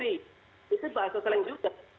itu bahasa slang juga